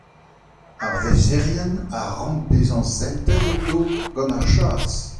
ar vêsaerien a rank bezañ sentet outo gant ar chas.